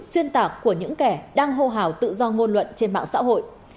xuyên tạc của những kẻ đang hô hào tự do ngôn luận trên mạng xã hội